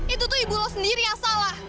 itu tuh ibu lo sendiri yang salah